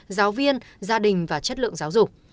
giáo viên gia đình và chất lượng giáo dục